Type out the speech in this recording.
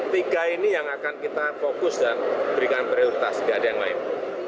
tiga ini yang akan kita fokus dan berikan prioritas tidak ada yang lain